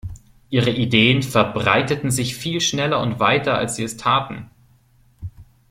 Ihre Ideen verbreiteten sich viel schneller und weiter, als sie es taten.